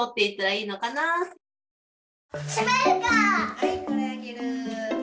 はいこれあげる。